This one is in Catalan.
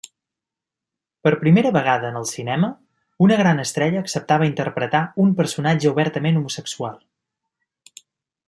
Per primera vegada en el cinema, una gran estrella acceptava interpretar un personatge obertament homosexual.